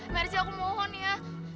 mer aku mohon ya